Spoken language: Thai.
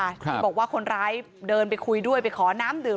ที่บอกว่าคนร้ายเดินไปคุยด้วยไปขอน้ำดื่ม